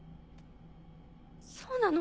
そうなの？